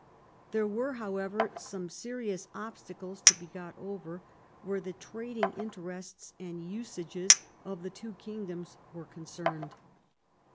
There were, however, some serious obstacles to be got over where the trading interests and usages of the two kingdoms were concerned.